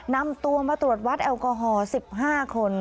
นำตัวมาตรวจวัดแอลกอฮอล์๑๕คน